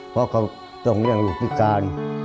เพราะเขาต้องอย่างลูกพิการ